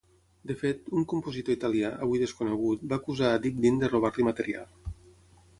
De fet, un compositor italià, avui desconegut, va acusar a Dibdin de robar-li material.